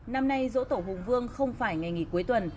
năm nay dỗ tổ hùng vương không phải ngày nghỉ cuối tuần